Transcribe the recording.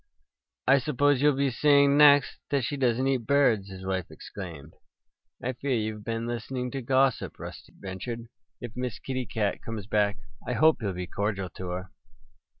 "I suppose you'll be saying next that she doesn't eat birds!" his wife exclaimed. "I fear you've been listening to gossip," Rusty ventured. "If Miss Kitty Cat comes back I hope you'll be cordial to her."